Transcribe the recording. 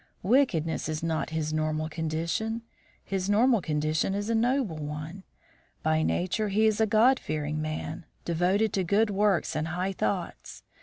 Wickedness is not his normal condition. His normal condition is a noble one. By nature he is a God fearing man, devoted to good works and high thoughts.